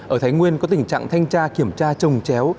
ở thái nguyên có tình trạng thanh tra kiểm tra trồng chéo